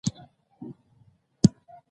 د ژوند پټ رازونه راته څرګندوي.